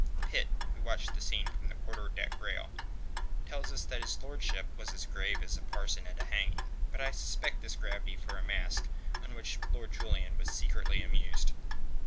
Pitt, who watched the scene from the quarter deck rail, tells us that his lordship was as grave as a parson at a hanging. But I suspect this gravity for a mask under which Lord Julian was secretly amused.